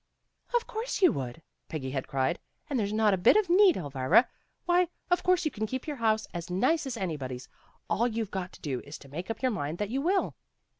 "Of course you would," Peggy had cried. "And there's not a bit of need, Elvira. Why, of course you can keep your house as nice as anybody's. All you've got to do is to make up your mind that you will."